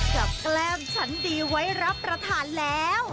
กับแกล้มชั้นดีไว้รับประทานแล้ว